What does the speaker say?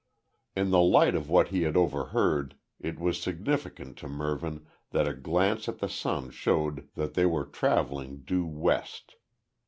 In the light of what he had overheard it was significant to Mervyn that a glance at the sun showed that they were travelling due west.